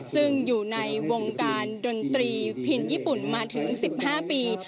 ซึ่งอยู่ในวงการดนตรีพินญี่ปุ่นมาถึง๑๕ปี